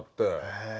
へえ。